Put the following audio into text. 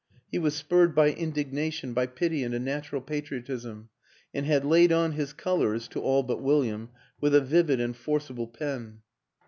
He was spurred by indignation, by pity and a natural patriotism, and had laid on his colors to all but William with a vivid and forcible pen.